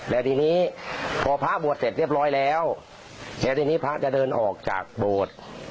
แล้วทีนี้พอพระบวชเสร็จเรียบร้อยแล้วแล้วทีนี้พระจะเดินออกจากโบสถ์